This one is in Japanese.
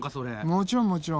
もちろんもちろん。